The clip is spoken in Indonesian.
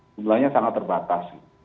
jumlahnya sangat terbatas